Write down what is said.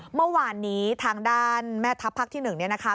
เมื่อวานนี้ทางด้านแม่ทัพพักที่๑นะคะ